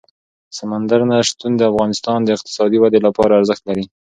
سمندر نه شتون د افغانستان د اقتصادي ودې لپاره ارزښت لري.